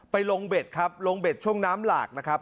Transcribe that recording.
ลงเบ็ดครับลงเบ็ดช่วงน้ำหลากนะครับ